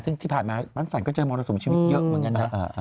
ซึ่งที่ผ่านมาปั้นจันทร์ก็เจอมอเตอร์สูงชีวิตเยอะมากันนะ